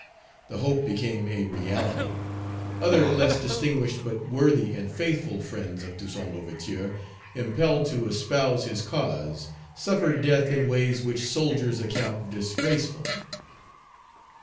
The hope became a reality. Other less distinguished, but worthy and faithful, Page 241 friends of Toussaint L'Ouverture, impelled to espouse his cause, suffered death in ways which soldiers account disgraceful.